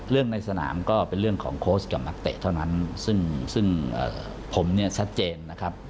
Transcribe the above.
ในสนามก็เป็นเรื่องของโค้ชกับนักเตะเท่านั้นซึ่งซึ่งผมเนี่ยชัดเจนนะครับ